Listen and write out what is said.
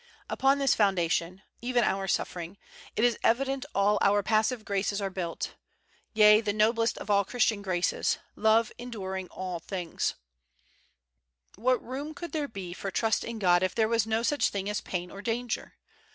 Upon this foundation, even our suf fering, it is evident all our passive graces are in— 12 177 THE WORLD'S FAMOUS ORATIONS built; yea, the noblest of all Christian graces, love enduring all things. What room could there be for trust in God if there was no such thing as pain or danger